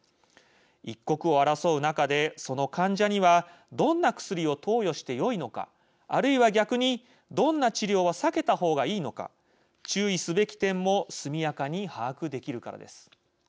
一刻を争う中でその患者にはどんな薬を投与してよいのかあるいは逆にどんな治療は避けたほうがいいのか注意すべき点も速やかに把握できるからです。